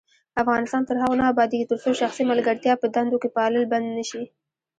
افغانستان تر هغو نه ابادیږي، ترڅو شخصي ملګرتیا په دندو کې پالل بند نشي.